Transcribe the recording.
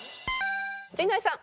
陣内さん。